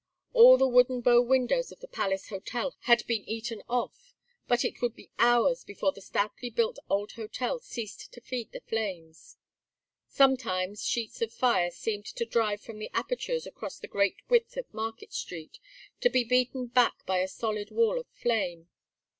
All the wooden bow windows of the Palace Hotel had been eaten off, but it would be hours before the stoutly built old hotel ceased to feed the flames. Sometimes sheets of fire seemed to drive from the apertures across the great width of Market Street, to be beaten back by a solid wall of flame.